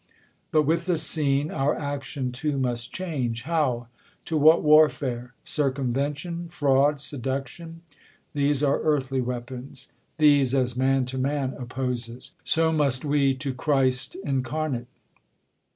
But with the scene our action too must change: How ? to what warfare ? Circumvention, fraud, Seduction ; these arc earthly weapons ; these As man to man opposes, so must we To Christ incarnate.